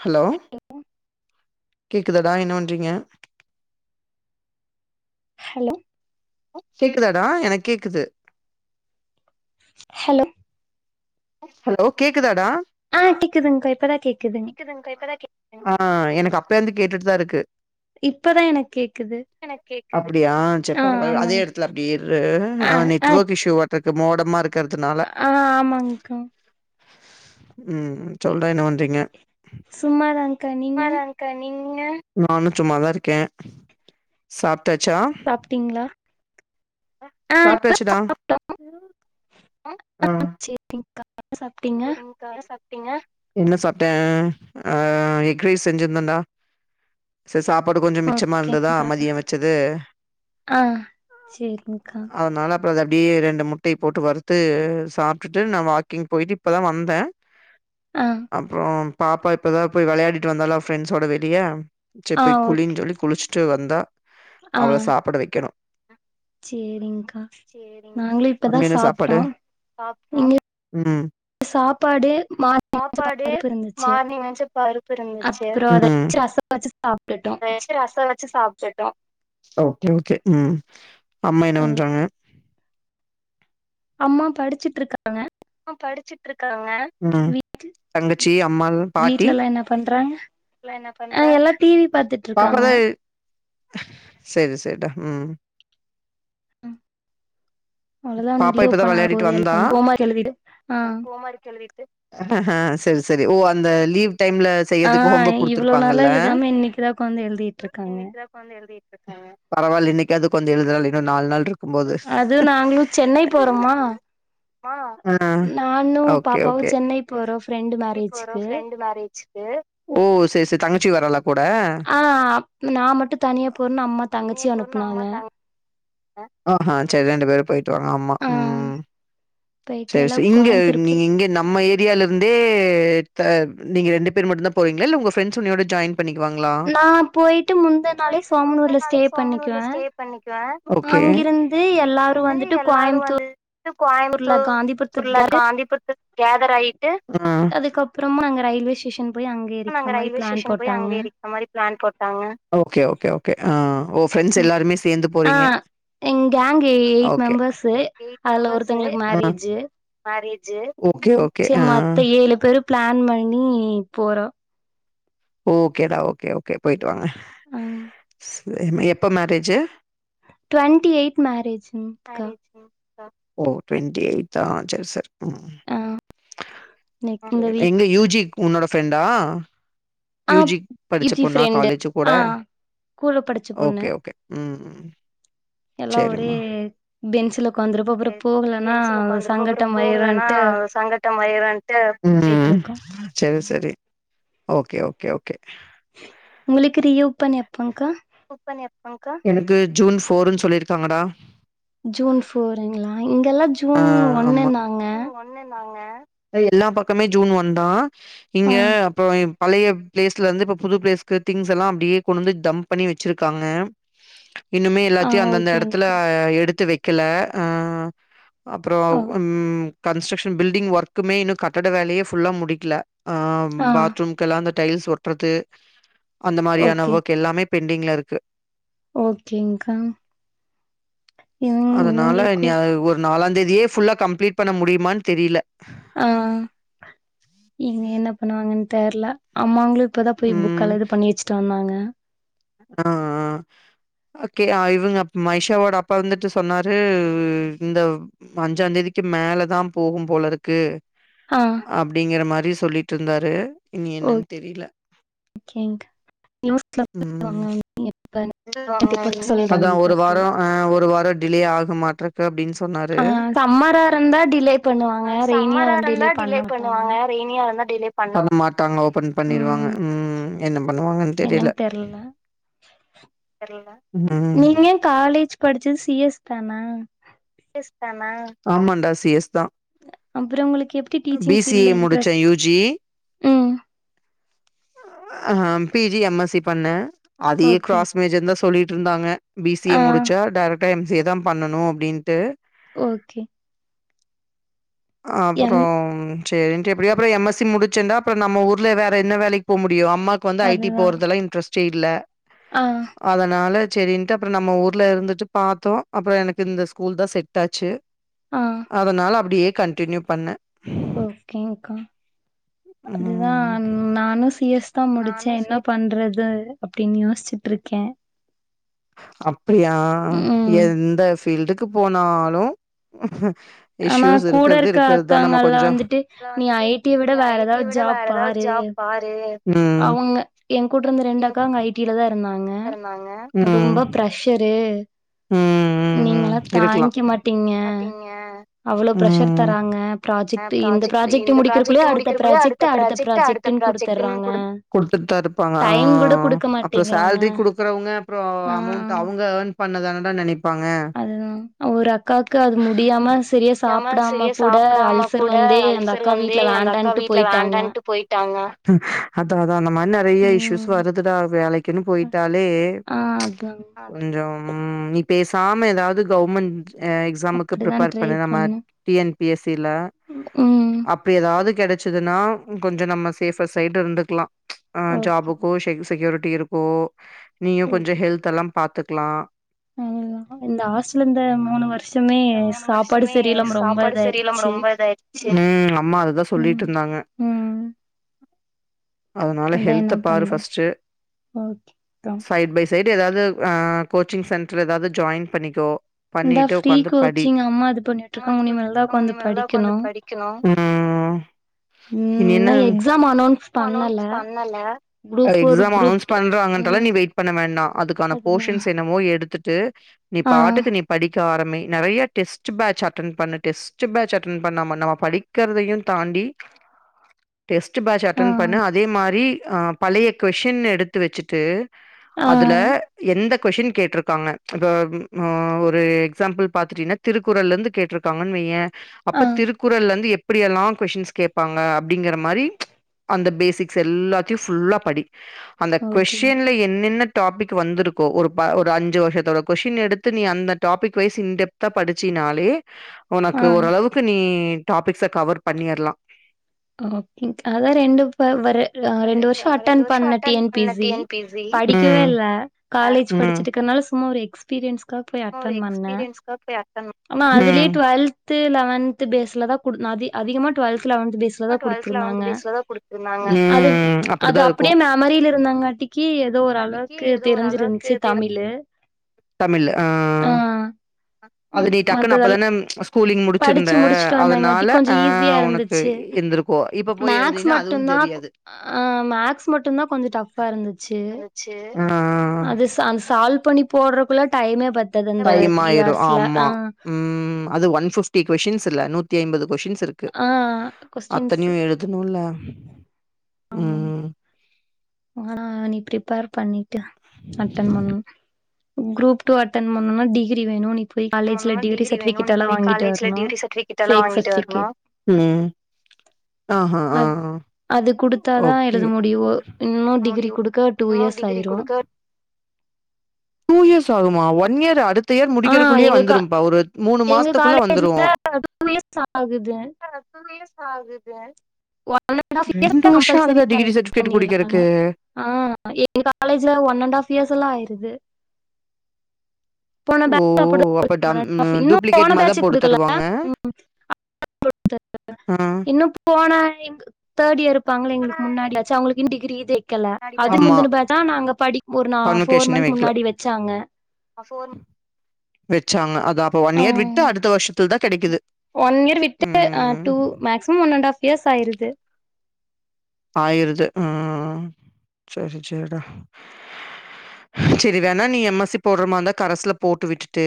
Hello கேக்குதடா என்ன பண்றீங்க ஹலோ [inaudible] கேக்குதாடா எனக்கு கேக்குது ஹலோ ஹலோ கேக்குதாடா ஆ கேக்குதுங்க இப்பதா கேக்குது ஆ எனக்கு அப்ப வந்து கேட்டுட்டுதா இருக்கு இப்பதா எனக்கு கேக்குது எனக் கேக்குது அப்பிடியா சேரி ஆ பரவால்ல அதே ஆமாங்க்கா எடத்துல அப்பிடி இரு ஆ நெட்வொர்க் இஷூ ஆட்டு இருக்கு மோட ம்மா இருக் ஆ ஆமாங்கா ம் சொல்ற என்ன பண்றீங்க சும்மாதாங்க்கா சும்மா நீங்க தாங்கா நீங் நீங்க நானு சும்மாதா இருக்கே சாப் சாப்பிடீங்களா சாப்பிட்டாச்சிடா சாப்ட்டோம். ஆ சாப்ட்டீங்க சேரிங்கா என்ன சாப்ட்டீங்க என்ன சாப்பிட்டே அ எக்ரைஸ் செஞ்சிருந்தேன்டா த்த சாப்பாடு கொஞ்சம் மிச்சமா இருந்ததா ஓகேங்க்கா மதியோ வச்சது ஆ சேரிங்க்கா அதனால ப்புறோ அது அப்பிடியே ரெண்டு முட்டைய போட்டு வறுத்து சாப்பிட்டுட்டு நா வாக்கிங் போயிட்டு இப்பதா வந்தே ஆ அப்புறோ பாப்பா இப்பதா போய் விளையாடிட்டு வந்தலா ஃப்ரெண்ட்ஸோட வெளியே சே ஆ போய் ஓகே குழின்னு சொல்லி குளிச்சிட்டு வந் தா ஆ அவள சாப்பிட வைக்கணு சேரிங்க்கா சேரிங்கா நாங்களு இப்பதா அங்க என்ன சாப்ட்டோ சாப்பாடு இங்க ம் சாப்பாடு மார்னிங் வச்ச பருப்பு இருந்துச்சி அப்புறோ அதவச்சி ராசசோ ச்சி ரசம் வச்சி சாப் டிட்டோ ஓகே ஓகே ம் அம்மா என்ன பண்றாங்க அம்மா படிச்சிட்டு இருக்காங்க ஆ படிச்சிட்டு இருக்காங்க ம் வீ தங்கச்சி அம்மால் பாட்டி வீட்லலா என்ன பண்றாங்க க்கலா என்ன ஆ பன்றாங்க எல்லா டிவி பாத்துட்ருக்காங்க பாப்பாதா சேரி சேரிடா ம் ம் அவளதா பாப்பா நில் இப்ப தான் ஓப்பன் விளையாடிட்டு ஆகாபோது எல்லா வந்தா. வந்து ஹோம்ஒர்க் எழுதிடு ஆ சேரி சேரி ஓ அந்த லீவ் டைம்ல ஆ செய்வதற்கு ஹோம் ஒர்க் இவ்ளோ நாளா குடுத்துருப்பாங்களா எழுதாம இன்னைக்குதா உக்காந்து எழுதிட்ருக்காங்க இன்னிக்குதா உக்காந்து எழுதிட்டு இருக்காங்க பரவால்ல இன்னி க்காது கொந்து எழுதறாலே இன்னு நாலு நாள் இருக்கு க்கும்போது அது நாங்களு சென்னை போறோமா ஆ நானு ஓகே பாப்பாவு ஓகே சென்னை போறோ ஃப்ரெண்டு மேரேஜ்க் ஓ சே சே தங்கச்சி வரால ஆமா நா மட்டு தனியா போறேன்னு அம்மா தங்கச்சிய அனுப்புனாங்க ஆஹா சரி பேரும் போயிட்டு வாங்க ஆமா ஆ ம் போயிட்டு சேரி எல்லா சேரி இங்க கோயம்புத்தூர் நீங்க போய் இங்க நம்ம ஏ ரியாலிருந்தே த நீங்க ரெண்டு பேர் மட்டுந்தா போறீங்களா இல்ல உங்க ஃபிரண்ட்ஸு உன்னோட ஜாயின் பண்ணிக்குவாங்களா? நா போயிட்டு முந்தா நாளே சோமனூர்ல ஸ்டே பண்ணிக்குவே அங்கிருந்து எல்லா வந்து எல்லாரு வந்துட்டு கோயமுத்தூர்ல காந்திபுரத்து காந்திபுரத்து கேதர் ஆயி அதுக்கப்புறமா அங்க ரயில்வே ஸ்டேஷன் போயி அங் ஓகே ஓகே ஓ கே ஆ ஓ ஃபிரெண்ட்ஸ் எல்லாருமே சேந்து ஆ போறீங்க எங் கேங் எயிட் ஓகே மெம்பர்ஸு அதுல ஒருத்தங்களுக்கு மேரேஜு ஆ ஓகே ஓகே சரி ஆ மத்த ஏழு பேரு பிளான் பண்ணி போறோ ஓகேடா ஓகே ஓகே போயிட்டு வாங்க ம் சேரிம்மா எப்ப மேரேஜு டு்வெண்ட்டி எய்த் மேரேஜுங்க்கா ஓ டுவெண்ட்டி எய்த்தா சேரி சேரி ம் நெக் இந்த எங்க வீக் யூ ஜி உன்னோட ஃப்ரெண்டா ஆ யூ ஜி படிச்ச இஜி பொண்ணா ஃப்ரெண்டு காலேஜ் கூட ஆ கூட படிச்ச பொண்ணு ஓகே ஓகே ம் ம் ம் எல்லா ஒரே சரிம்மா. பெஞ்ச் சங்கட்டமாயிருன்ட்டு ம் போயிட்ருக்கோ செரி செ ரி ஓகே ஓகே ஓகே உங்களுக்கு ரீ ஓப்பன் எப்பங்க்கா எனக்கு ஜூன் ஃபோர்ன்னு சொல்லிருக்காங்கடா ஜூன் ஃபோருங்களா இங்கல்லா ஆ ஜூன் ஒன்னுனாங்க ஆ எல்லா பக்கமே ஜூன் ஒன்தா இங்க ஆ அப்றோ பழைய பிளேஸ்ல இருந்து இப்ப புது பிளேஸ்க்கு திங்ஸ் எல்லா அப்டியே கொண்டு வந்து டம்ப் பண்ணி வச்சிருக்காங்க இன்னுமே ஆ எல்லாத்தையு அந்தந்த எடத்துல ஓகேங்க்கா எடுத்து வைக் க்கல அ அப்புறோ ஓ ம் கன்ஸ்ட்க்ஷன் பில்டிங் ஒர்குமே இன்னு கட்டட வேலையே ஃபுல்லா முடிக்கல அ ஆ பாத்ரூம்க்கல்லா அந்த டைல்ஸ் ஒட்டறது அந்த மாரியான ஒர்க் எல்லாமே பெண்டிங்ல இருக்கு ஓகேங்கா இவ இவங்களுக்கு நாலா தேதியே ஃபுல்லா கம்ப்ளீட் பண்ண முடியுமான் தெரியல ஆ இங்க என்ன பண்ணுவாங்கன் தெர்ல அம்மாங்களுக் இப்பதா போய் புக்க எல்லா இது பண்ணி வச்சிட்டு வந்தாங்க ம் அ அ ஓகே இவங்க மைஷாவோட அப்பா வந்துட்டு சொன்னாரு இந்த அஞ்சா தேதிக்கு மேலதா போகு போல இருக்கு ஆ அப்பிடிங்கற மாரி ட்டு சொல்லிட்டு இருந்தாரு ஓ ஓகே ம் [unintelligible] [unintelligible] அதா ஒரு தெர்ல வாரோ ஆ ஒரு வாரோ டிலே ஆ மாற்றக்கு அப்பிடின் சொ ஆ சம்மார இருந்தா டிலே பண்ணுவாங்க ரெய்னியா இருந்து டிலே பண்ணமாட்டாங்க டிலே பண்ணமாட் ட்டாங்க ஓபன் பண்ணிருவாங்க ம் என்ன பண்ணுவாங்கன்னு தெரியல என்னன்னு தெர்ல நீங்க காலேஜ் ப படிச்சது சிஎஸ் தானா ஆமாண்டா சி எஸ் தா அப்புறோ உங்களுக்கு எப்படி பி டீச்சிங் சி ஃபீல்ல ஏ முடிச்சே இன்ட்ரெஸ் யூ ஜி ம் ஆ பிஜி எம்எஸ்சி பண்ணே அதே ஓகே கிராஸ் மேஜந்தா சொல்லிட்ருந்தாங்க பி சி ஆ ஏ முடிச்சா டேரக் டு எம் ஸி எ தா பண்னணு அப்டின்டு ஓகே அப்பறோ எம் சேரின்ட்டு எப்படியோ அப்றோ எம் எஸ் சி முடிச்சேண்டா அப்புற நம்ம ஊர்ல வேற என்ன வேலைக்கு டியோ அம்மாக்குவந்து ஐ டி அதுதான் போறதுல இன்ட்ரஸ்ட் செய்ல ஆ அதனால சரின்னுட்டு அப்பறோ நம்ம ஊர்ல இருந்துட்டு பாத்தோ அப்புறோ எனக்கு இந்த ஸ்கூல் தா செட் ஆச்சு ஆ அதனால அப்டியே கன்டின்யூ பண்ணே ஓகேங்கா அதுதா ம். நானுஸ் சி எஸ் தா முடிச்சே என்ன பண்றது அப்டின் யோசிச்சுட்டு இருக்கே அப் படியா ம் எந்தஃப் ஃபீல்டுக்கு போனாலு ஆனா இஷ்யூஸ் கூட இருக்கிறது இருக்க இருக்கிறதுதா நம்ம அக்காங்கல்லாம் கொஞ்சோ வந்துட்டு நீ ஐ டி விட வேற ஏதாவது ஜாப் பாரு ம் அவங்க எ கூட்ருந்த ரெண்டு அக்காங்க ஐ டிலதா இருந்தாங்க அ ம் ரொம்ப பிரஷரு ம் ம் ம் நீங்கல்லா இருக்கலா தாங்கிக்க மாட்டீங்க அவ்ளோ ப்ரஷர் ம் தராங்க ப்ராஜெக்ட் இந்த ப்ராஜெக்ட் முடிக்கிறக்குள்ளயே அடுத்த ப்ராஜெக்ட் அடுத்த ப்ராஜெக்ட்ன்னு குடுத்துர்ரா குடுத்துட் தா இருப்பாங்க ஆ குடுக்க அப்புறோ மாட்டேங்கிறாங்க சேல்ரி குடுக்குறவங்க அப்புறோ ஆ அமௌண்ட் அவங்க ஏன் நான்டா நெனைப் அதுதா ஒரு அக்காவுக்கு அது முடியாம சரியா சாப்பிடாம கூட அல்சர் வந்தே அந்த அக்கா வீட்டுல வேண்டான்ட்டு போயிட்டாங்க நறையா இஷ்யூஸ் ம் வருதுடா வேலைக் குன்னு போயிட்டாலே ஆ ச் அதா கொஞ்சோ நீ பேசாம ஏதாவது கவுர்மண் அ எக்ஸாமுக்கு அப்டிதா ப்ரிப்பேர் ட்ரை பண்ண நம்ம பண்ணே டிஎன் தில ம் அப்ப எதாது கெடச்சிதுன்னா கொஞ்ச நம்ம சேஃப்ப சைடு இருந்துக்கலா அ ஓகே ஜாபுக்கோ செ செக் செக்யூ ட்டி இருக்கோ நீங்க கொஞ்சோ ஹெல்த்லெல்லா பாத்து கிலா ம் இந்த ஆஹாஸ்டல இந்த மூணு வருஷமே சாப்பாடு சரியில்லாம ரொம்ப இதாயிடுச்சி ம் அம்மா அதுதா சொல்லிட்டு ம் இருந்தாங்க ம் அதனால அதா ஹெல்த்த என்ன பாரு பண்ற ஃபஸ்ட்டு ஓகே அப்றோ சைடு பை சைட் ட்டு எதாது கோ ச்சிங் சென்டர் எதாது ஜாயின் பண்ணிக்கோ இந்தா பண்ணிட்டு ஃப்ரீ உக்காந்து படி கோச்சிங் அம்மா இது பண்ணிட்டு அம்மா இது இருக்காங்க இனிமேல்தா பண்ணிட்டுருக்கு உக்காந்து இனிமேல்தா படிக்கணு உக்காந்து படிக்கணு ம் ம் இனி என்ன இன்னு எக்ஸாம் அனௌன்ஸ் பண்ணல அனோன்ஸ் பண்ணல group four exam group announce two பண்றங்கத ம் நீ வெயிட் பண்ண வேண்டா அதுக்கான அதுதா போசான்ஸ் என்னவோ எடுத்து ட்டு நீ ஆ பாட்டுக்கு நீ படி ட்டாரமே நெறைய டெஸ் பேஜ் அட்டன் பண்ணு டெஸ்ட் பேஜ் அட்டன் பண்ணாமா நம்ம படிக்கிறதயு தாண்டி டெஸ்பேஜ் அட் ஆ ட்டன் பண்ணு அதே மாரி ஆ பழைய கொஷன் எடுத்து வச்சிட்டு ஆ அதுல எந்த கொஷின் கேட்டிருக்காங்க இப்ப ஆ ஒரு எக்ஸாம்பிள் பாத்துட்டீன்னா திருக்குறள் இருந்து கேட்டிருக்காங்கன்னு வையே ஆ அப்ப திருக்குறளந்து எப் எப்பிடியல்லா கொஸ்டின்ஸ் கேப்பாங்க அப்பிடிங்கிற மாரி இந்த பேசிக்ஸ் எல்லாத்தியு ஃபுல்லா படி அந்த ஓகேங் கொஸ்ன்ல என்னென்ன டாபிக் வந்திருக்கு ஒரு ப ஒரு அஞ்சு வருஷத்தோட கொஷின் எடுத்து நீ அந்த டாபிக் வைஸ் இன்டெப்தா படிச்சினாலே ஆ ஒனக்கு ஓரளவுக்கு நீ டாபிக்ஸ கவர் பண்ணிரலா ஓகே அதா ரெண்டு ப வர அ ரெண்டு வருஷோ அட்டன் பண்ண டிஎன் பிசி படிக்கவே ம். இல்ல காலேஜ் ம். படிச்சட்டு இருக்கனால சும்மா ஒரு எக் எக்ஸ்பீரியன்ஸ் க்கா போயி அட்டன் பண்ணே ஆனா அதுலோ ம் டூவெல்த்து லொவன்த்து பேஸ்லதா கு நா அதி அதிகமா டுவெல்தல வந்து த்த குடுத்துருந்தாங்க அது ம் அது அப்டிதா இருக்கு அப்பிடியே மெமரியில இருந்தாங்காட்டிக்கு எதோ ஒரு அளவுக்கு தெரிஞ்சிருஞ்ச்சி தமிழு ஆ அது நீ டக்குன்னு மத்ததெல் அப்பதான ஸ் படிச்சு முடிச்சுட்டு வந்தாங்காட்டி கொஞ்ச ஆ ஈஸியா உனக்கு இருந்துச்சு இருந்திருக்கு இப்ப போய் மேக்ஸ் எழுதினா அதுவு மட்டு்ந்தா கொ தெரியாது ஆ மேக்ஸ் மட்டுந்தா கொஞ்ச டஃப்பா இருந்துச்சு ஆ அது ச சால் வ் பண்ணி போடுறக்குள்ள டைமே பத் டைமாயிரு ஆமா ம் அது ஒன் ஃபிஃப் ட்டி கொஸ்ஸின்ஸ் இல்ல நூத்தி ஐம்பது கொஸ்ஸின்ஸ் இருக்கு ஆ கொஸ்டின்ஸ் அத்தனையு எழுதணு இல்ல [inaudible] ம் ஆ இனி ப்ரிப்பேர் பண்ணி ட்டு அட்டன் பண்ணணு குரூப் டூ அட்டன்ட் பண்ணணுன்னா டிகிரி வேணு நீ போய் ம் காலேஜ்ல டிகிரி சர்டிஃபிகேட் எல்லா வாங்கிட்டு வரணு ஃபேக் சர்டிஃபிகேட் ஆ ஹா ஆ த்தாதா ஓகே எழுத முடியு இன்னு டிகிரி குடுக்க டூ இயர்ஸ் ஆயிரு அ ஒன் இயர் அடுத் த இயர் ஆ முடிக்கிறக்குள்ளயே எங்க வந்துரும்ப்பா ஒரு மூணு எங்க மாசத்துக்குள்ள வந்துரு காலேஜ்ல டூ இயர்ஸ் ஆகுது ஒன் அண்ட் ஆஃப் இயர்ஸ்ல வருஷம் ஆகுதா கம்பல்சரி டிகிரி [inaudible] சர்டிஃபிகேட் பண்ணிறாங்க குடுக்கறக்கு? ஆ எங்க காலேஜ்ல ஒன் அண்ட் ஆஃப் இயர்ஸ் எல்லா ஆயிருது போன ஓ! பேட்சு அப்ப டம் [inaudible] இன்னு டூப்ளிகேட் போன மாரி தான் பேட்சு போட்டு குடுக்கல தருவாங்க. ம் ம் ஆ. [inaudible] முன்னாடி இன்னு போன ஆ எங் தேர்ட் இயரு ப்பாங்கல்லா எங்களுக்கு முன்னாடியாச்சு அவங்களுக்கு இன்னு டிகிரி இதே வைக்கல பேட்ச். அதுக்கு ஆமா. முந்துன பேட்ச்தா நாங்க படி ஒரு நா ஃபோர் மந்த்ஸ் முன்னாடி வச்சாங்க வெச்சாங்னா அதா அப்ப ஒன் இயர் விட்டு அடுத்த வர்ஷத்துலதா கெடைக்குது ஒன் இயர் விட்டுட்டு ஆ ம். Two maximum one and half years ஆயிருது ஆயிருது ஆ செரி சேர்றா செரி வேண்ணா நீ எம் எஸ் சி போடுற மாற இருந்தா கரஸ்ல போட்டு விட் டுட்டு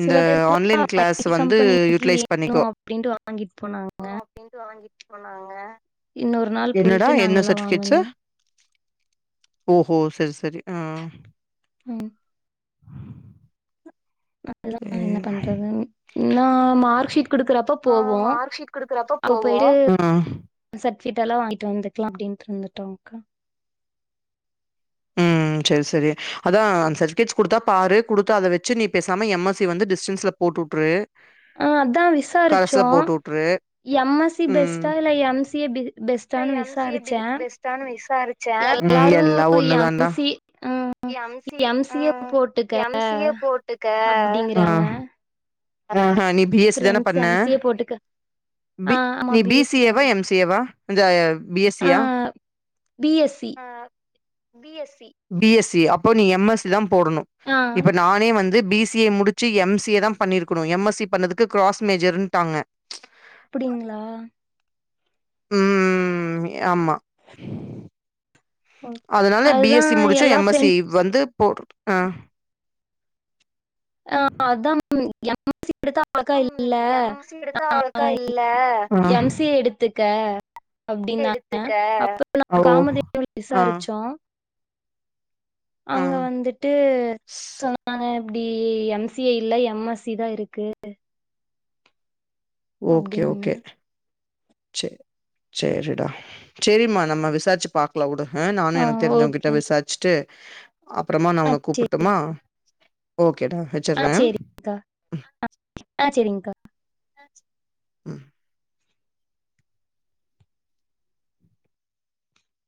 இந்த சில பேர் ஆன்லைன் கிளாஸ் ஐடி வந்து கம்பெனிக்கு யூட்டிலைஸ் பண்ணிக்கோ வேணும் அப்படின்ட்டு வாங்கிட்டு போனாங்க இன்னொரு நாள் என்னடா போயிட்டு என்ன நாங்கெல்லாம் சர்ட்டிஃபிகேட்ஸு? வாங்கணும் ஓஹோ செரி செரி ஆ ம் அதுதா சரி. என்ன பண்றதுன்னு நா மார்க் ஷீட் குடுக்குறப்ப போவோ அப்ப போயிட்டு ஆ. செப் சீட்டெல்லா வாங்கிட்டு வந்துக்லா அப்டின்னுட்டு இருந்துட்டோங்க்கா ம் செரி செரி அதா சர்டிஃபிகேட்ஸ் குடுத்தா பாரு குடுத்தா அத வச்சு நீ பேசாம எம் எஸ் சி வந்து டிஸ்டன்ஸ்ல போட்டு விட்ரு ஆ அதா விசாருச்சோ போட்டுவுட்டுரு. எம் எஸ்சி பெஸ்டா இல்ல எம் சி ஏ பெஸ்டா இல்ல எம் சி ஏ பெஸ்டானு விசாரிச்சே எல்லாரு எல்லா எம் ஒன்னுதான்டா சி ஆ எம் சி எம் ஏ உம் போட்டுக்க எம் சி யே போட்டுக்க அப்டிங்கறாங்க ஆஹ நீ பி எஸ்சி தான ஃப்ரெண்ட்ஸ் பண்ண எம் சி ஏ போட்டுக்க பி ஆ ஆமா நீ பி எஸ் சி தா ஏ வா பண்ண எம் சி ஏ வா இந்த பி எஸ்சி ஆ யா பி எஸ்இ பி எஸ்சி அப்போ நீ எம் எஸ்சி தா போடணு ஆ இப்ப நானே வந்து பி சி எ முடிச்சு எம் சி எ தா பண்ணிருக்கணு எம் எஸ்சி பண்ணதுக்கு கிராஸ் மேஜர்ட்டாங்க அப்டிங்ளா உம் ஆமா அதனால பி அதுதா எஸ்சி முடிச்சு எல்லா எம் எஸ்சி ஃப்ரெண்ட்ஸ் வந்து போடு ஆ அதா எம் சி எடுத்தா அழக்க இல்ல ஆ ஆ எம் சி எ எடுத்துக்க அப்டின்னாங்க அப்பறோ நா ஓ காமதேவ் ஆ விசாரிச்சோ ஆ அங்க வந்துட்டு சொன்னாங்க அப்டி எம் சி ஏ இல்ல எம் ஸ்சி தா இருக்கு அப்டின்னாங்க ஓகே-ஓகே செர் செரிடா சேரிம்மா நம்ம விசாரிச்சு பாக்கலா உடு ஆ நானு எனக்கு தெரிஞ்சவங்க கிட்ட விசாருச்சிட்டு அப்பறமா நா ஆ உன்ன கூப்ட்டடுமா ஓ ஆ சேரிங்க்கா ஆ சேரிங்க்கா என்னாச்சு உம்